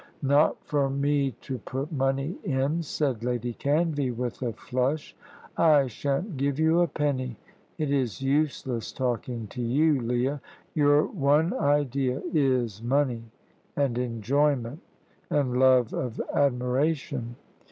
"Not for me to put money in," said Lady Canvey, with a flush. "I shan't give you a penny. It is useless talking to you, Leah; your one idea is money and enjoyment and love of admiration."